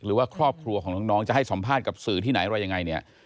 หรือว่าครอบครัวของน้องจะให้สัมภาษณ์กับสื่อที่ไหนอะไรยังไงเนี่ย